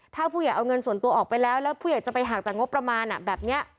ถ้าผู้ใหญ่เอาเงินส่วนตัวออกไปแล้วแล้วผู้ใหญ่จะไปหักจากงบประมาณแบบนี้